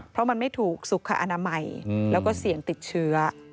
เพราะมันไม่ถูกสุขอนามัยแล้วก็เสี่ยงติดเชื้อ